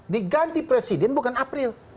diganti presiden bukan april